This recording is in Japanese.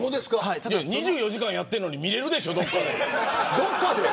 ２４時間やってるのに見られるでしょう、どこかで。